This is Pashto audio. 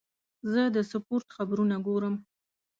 زه د سپورت خبرونه ګورم.